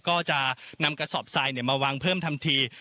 ก็จะนำกระสอบทรายมาวางเพิ่มทันที